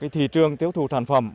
thị trường tiêu thụ sản phẩm